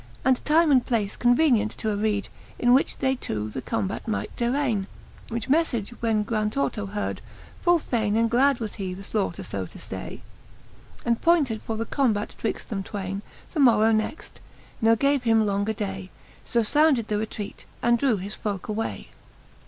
And time and place convenient to areed, In which they two the combat might darralne. Which meflage when Grantorto heard, full fayne And glad he was the flaiighter fb to ftay, And pointed for the combat twixt them twayne The morrow next, ne gave him longer day. So founded the retraite, and drew his folke away.